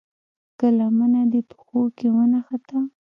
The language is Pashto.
که لمنه دې پښو کې ونښته.